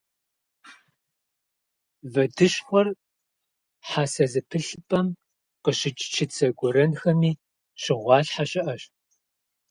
Вэдыщхъуэр хьэсэ зэпылъыпӏэм къыщыкӏ чыцэ гуэрэнхэми щыгъуалъхьэ щыӏэщ.